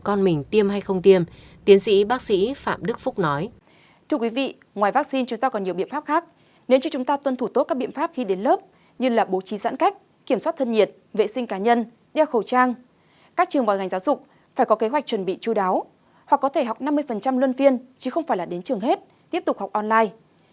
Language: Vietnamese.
con mình tiêm hay không tiêm tiến sĩ bác sĩ phạm đức phúc nói